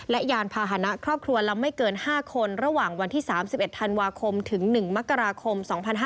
และยานพาหนะครอบครัวละไม่เกิน๕คนระหว่างวันที่๓๑ธันวาคมถึง๑มกราคม๒๕๕๙